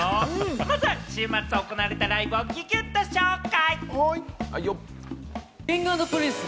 まずは週末行われたライブをギュッギュッと紹介。